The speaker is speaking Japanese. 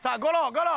ゴロ！